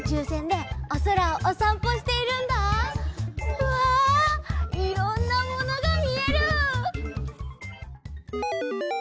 うわいろんなものがみえる！